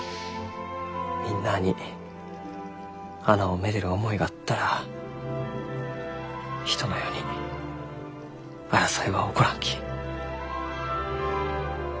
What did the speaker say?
みんなあに花をめでる思いがあったら人の世に争いは起こらんき。